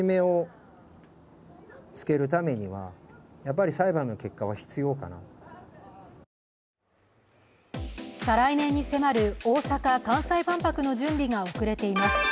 残された家族が思うことは再来年に迫る大阪・関西万博の準備が遅れています。